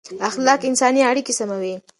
اخلاق انساني اړیکې سموي